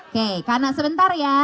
oke kanan sebentar ya